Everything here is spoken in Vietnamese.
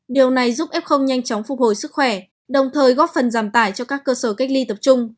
điều này giúp f nhanh chóng phục hồi sức khỏe đồng thời góp phần giảm tải cho các cơ sở cách ly tập trung